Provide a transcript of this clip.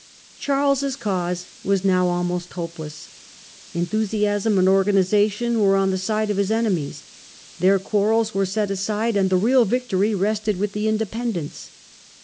Charles's cause was now almost hopeless. Enthusiasm and organization were on the side of his enemies. Their Failure of the quarrels were laid aside, and the real victory Royal cause, rested with the Independents.